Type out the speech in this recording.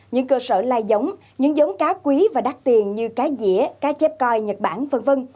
những cơ sở lai giống những giống cá quý và đắt tiền như cá dĩa cá chép coi nhật bản v v